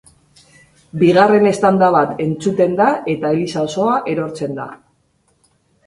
Bigarren eztanda bat entzuten da eta eliza osoa erortzen da.